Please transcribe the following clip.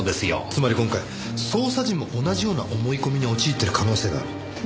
つまり今回捜査陣も同じような思い込みに陥ってる可能性があると。